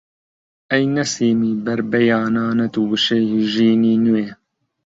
ئەی نەسیمی بەربەیانانت وشەی ژینی نوێ!